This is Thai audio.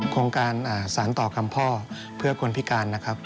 โครงการสารต่อคำพ่อเพื่อคนพิการนะครับ